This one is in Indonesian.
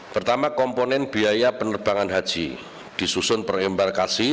pertama komponen biaya penerbangan haji disusun perembar kasar